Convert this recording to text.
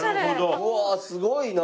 うわすごいな。